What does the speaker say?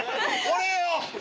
これよ。